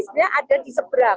kemudian ada di seberang